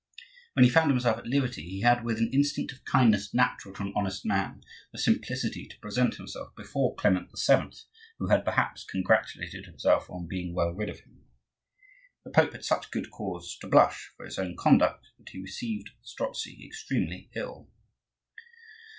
When he found himself at liberty he had, with an instinct of kindness natural to an honest man, the simplicity to present himself before Clement VII., who had perhaps congratulated himself on being well rid of him. The Pope had such good cause to blush for his own conduct that he received Strozzi extremely ill.